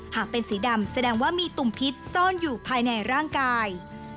หากเป็นสีดำแสดงว่ามีตุ่มพิษซ่อนอยู่ภายในร่างกาย